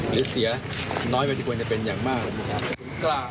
หรือเสียน้อยไปที่ควรจะเป็นอย่างมากนะครับ